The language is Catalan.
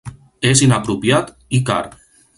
És inapropiat, i car.